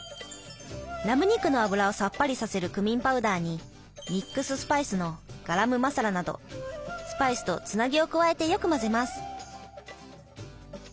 ラム肉の脂をさっぱりさせるクミンパウダーにミックススパイスのガラムマサラなどスパイスとつなぎを加えてよく混ぜます。